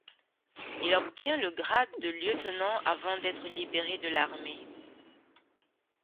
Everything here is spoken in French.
Il obtient le grade de lieutenant avant d'être libéré de l'armée.